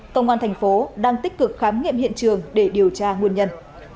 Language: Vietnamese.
công an thành phố đang tích cực khám nghiệm hiện trường để điều tra nguồn nhân